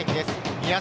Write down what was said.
宮崎